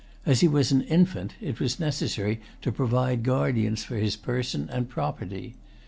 As he was an infant, it was necessary to provide guardians for his person and property.